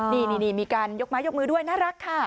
นี่มีการยกไม้ยกมือด้วยน่ารักค่ะ